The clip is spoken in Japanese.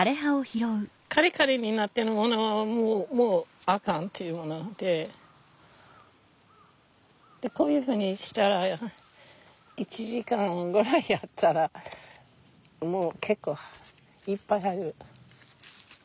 カリカリになってるものはもうアカンっていうのなんででこういうふうにしたら１時間ぐらいやったらもう結構いっぱいある。